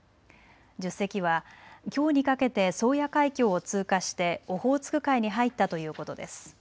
１０隻はきょうにかけて宗谷海峡を通過してオホーツク海に入ったということです。